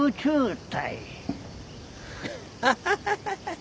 ハハハハ。